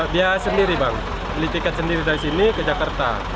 dia sendiri bang beli tiket sendiri dari sini ke jakarta